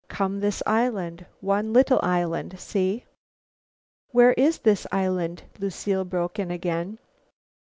Come this island, one little island. See?" "Where is this island?" Lucile broke in again.